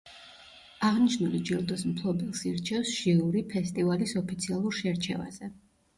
აღნიშნული ჯილდოს მფლობელს ირჩევს ჟიური ფესტივალის ოფიციალურ შერჩევაზე.